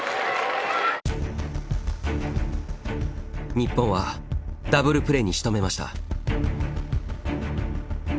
日本はダブルプレーにしとめました。